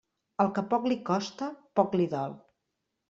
Al que poc li costa, poc li dol.